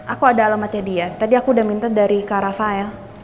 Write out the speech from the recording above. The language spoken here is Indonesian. aku ada alamatnya dia tadi aku udah minta dari kak rafael